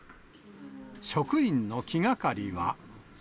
職員の気がかりは。